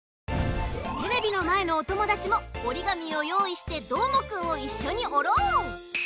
テレビのまえのおともだちもおり紙をよういしてどーもくんをいっしょにおろう！